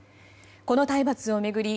この体罰を巡り